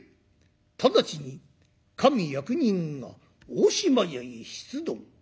直ちに上役人が大島屋へ出動。